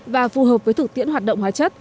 và phù hợp với thực tiễn hoạt động hóa chất